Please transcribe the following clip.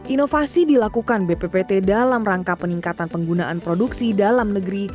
inovasi dilakukan bppt dalam rangka peningkatan penggunaan produksi dalam negeri